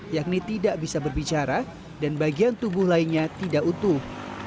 yakni tidak bisa berbicara dan bagian tubuh lainnya tidak utuh